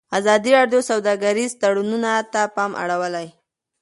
ازادي راډیو د سوداګریز تړونونه ته پام اړولی.